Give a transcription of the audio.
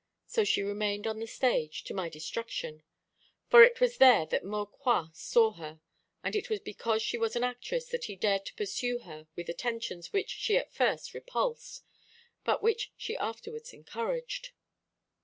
So she remained on the stage, to my destruction; for it was there that Maucroix saw her; and it was because she was an actress that he dared to pursue her with attentions which she at first repulsed, but which she afterwards encouraged.